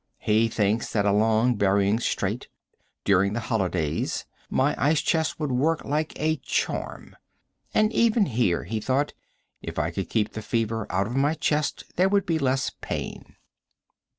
He thinks that along Behring's Strait, during the holidays, my ice chest would work like a charm. And even here, he thought, if I could keep the fever out of my chest there would be less pain.